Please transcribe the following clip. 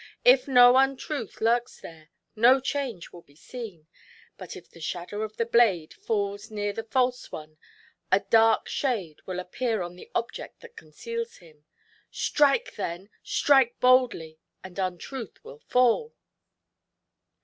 If no Untruth lurks there, no change will be seen ; but if the shadow of the blade falls near the false one, a dark shade will appear on the object that conceals him : strike then, strike boldly, and Untruth wiUfall!"